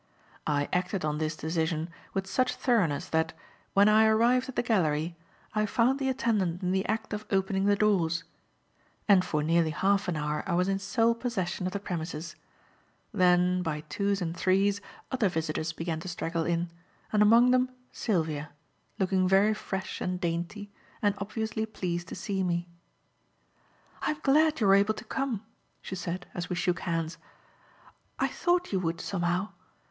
I acted on this decision with such thoroughness that, when I arrived at the gallery, I found the attendant in the act of opening the doors, and, for nearly half an hour I was in sole possession of the premises. Then, by twos and threes, other visitors began to straggle in, and among them Sylvia, looking very fresh and dainty and obviously pleased to see me. "I am glad you were able to come," she said, as we shook hands. "I thought you would, somehow.